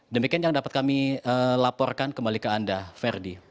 demikian yang dapat kami laporkan kembali ke anda verdi